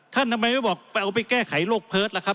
ท่านทำไมไม่บอกเอาไปแก้ไขโลกเพิดล่ะครับ